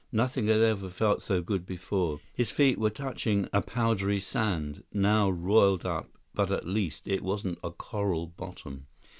Nothing had ever felt so good before. His feet were touching a powdery sand, now roiled up, but at least, it wasn't a coral bottom.